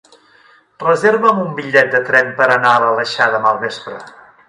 Reserva'm un bitllet de tren per anar a l'Aleixar demà al vespre.